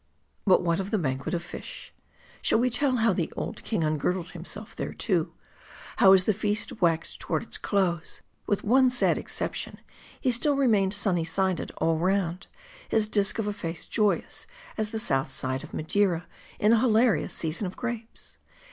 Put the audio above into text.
But what of the banquet of fish ?\ Shall we tell how the old king ungirdled himself thereto ; how as the feast waxed toward its close, with one sad exception, he still re mained sunny sided all round ; his disc of a face joyous as the South Side of Madeira in the hilarious season of grapes